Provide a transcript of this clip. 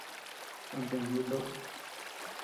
Kantèd nuku toʼod.